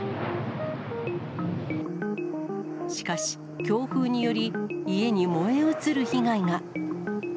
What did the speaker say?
しかし、強風により、家に燃え移る被害が。